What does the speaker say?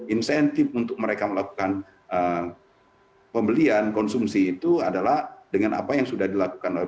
insentif untuk mereka melakukan pembelian konsumsi itu adalah dengan apa yang sudah dilakukan